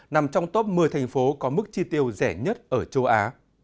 nằm trong top một mươi thành phố có mức chi tiêu rẻ nhất ở châu á